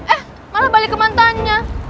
eh malah balik ke mantannya